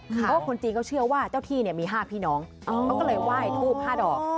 เพราะว่าคนจีนเขาเชื่อว่าเจ้าที่มี๕พี่น้องเขาก็เลยไหว้ทูบ๕ดอก